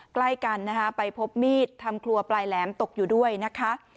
ใกล้กันนะคะไปพบมีดทำครัวปลายแหลมตกอยู่ด้วยนะคะ